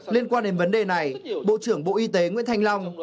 liên quan đến vấn đề này bộ trưởng bộ y tế nguyễn thanh long